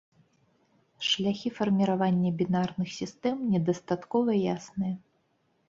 Шляхі фарміравання бінарных сістэм недастаткова ясныя.